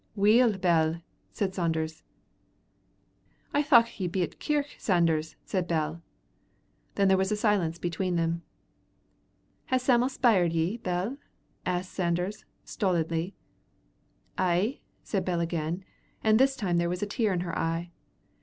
"Weel, Bell," said Sanders. "I thocht ye'd been at the kirk, Sanders," said Bell. Then there was a silence between them. "Has Sam'l speired ye, Bell?" asked Sanders, stolidly. "Ay," said Bell again, and this time there was a tear in her eye.